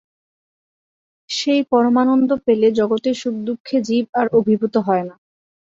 সেই পরমানন্দ পেলে জগতের সুখদুঃখে জীব আর অভিভূত হয় না।